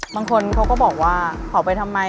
บางคนเขาก็บอกว่าเขาไปทำไม